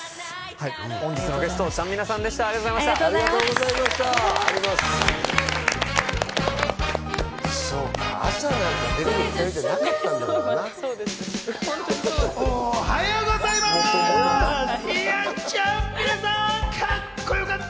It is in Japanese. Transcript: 本日のゲスト、ちゃんみなさんでした。